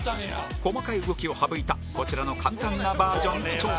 細かい動きを省いたこちらの簡単なバージョンで挑戦